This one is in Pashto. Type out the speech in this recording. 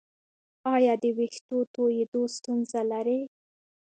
ایا د ویښتو تویدو ستونزه لرئ؟